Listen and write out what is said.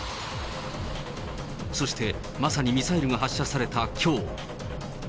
そして、まさにミサイルが発射されたきょう。